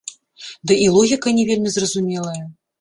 Ды і логіка не вельмі зразумелая.